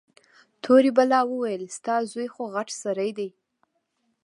تورې بلا وويل ستا زوى خوغټ سړى دى.